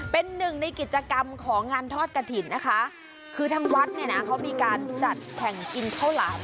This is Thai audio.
เป็นหนึ่งในกิจกรรมของงานทอดกระถิ่นนะคะคือทางวัดเนี่ยนะเขามีการจัดแข่งกินข้าวหลาม